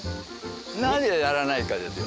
なぜやらないかですよ。